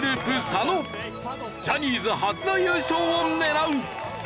ジャニーズ初の優勝を狙う！